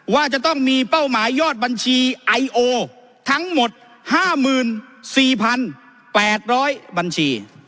ว่าจะต้องมีเป้าหมายยอดบัญชีไอโอทั้งหมดห้าหมื่นสี่พันแปดร้อยบัญชี